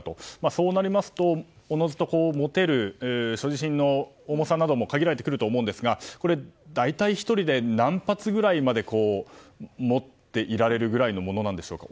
そうなりますとおのずと持てる所持品の重さなども限られてくると思うんですが大体１人で何発くらいまで持っていられるぐらいのものなんでしょうか。